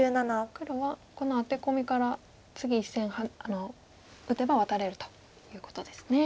黒はこのアテコミから次１線打てばワタれるということですね。